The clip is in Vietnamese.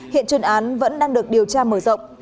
hiện chuyên án vẫn đang được điều tra mở rộng